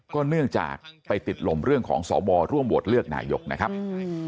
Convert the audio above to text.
เนื่องจากไปติดลมเรื่องของสวร่วมโหวตเลือกนายกนะครับ